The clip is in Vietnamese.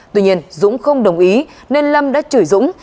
tuy nhiên dũng không đồng ý nên lâm đã chửi dũng